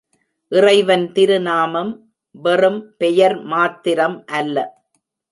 இறைவன் திருநாமம் வெறும் பெயர் மாத்திரம் அல்ல.